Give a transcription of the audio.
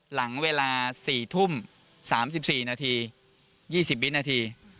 หลังเวลาสี่ทุ่มสามสิบสี่นาทียี่สิบวินาที